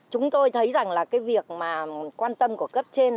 chúng tôi thấy rằng là cái việc mà quan tâm của cấp trên